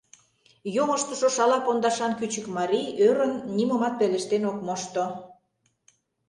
Йоҥыжтышо шала пондашан кӱчык марий, ӧрын, нимомат пелештен ок мошто.